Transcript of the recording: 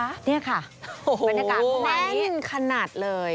แม่งขนาดเลย